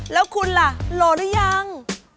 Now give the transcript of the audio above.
แล้วคุณล่ะโหลดหรือยัง